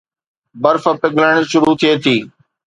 برف پگھلڻ شروع ٿئي ٿي